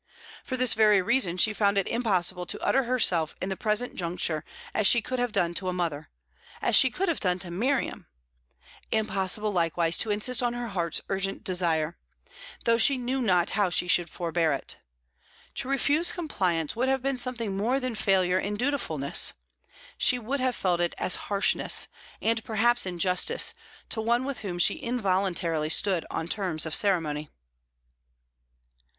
For this very reason, she found it impossible to utter herself in the present juncture as she could have done to a mother as she could have done to Miriam; impossible, likewise, to insist on her heart's urgent desire, though she knew not how she should forbear it. To refuse compliance would have been something more than failure in dutifulness; she would have felt it as harshness, and perhaps injustice, to one with whom she involuntarily stood on terms of ceremony.